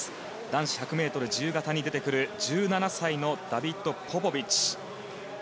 男子１００ｍ自由形に出てくる１７歳のダビッド・ポポビッチ。